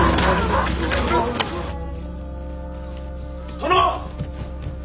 ・殿！